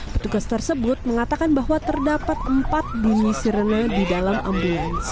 petugas tersebut mengatakan bahwa terdapat empat bunyi serena di dalam ambulans